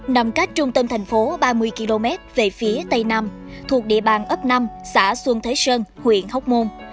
nằm cách trung tâm thành phố ba mươi km về phía tây nam thuộc địa bàn ấp năm xã xuân thế sơn huyện hóc môn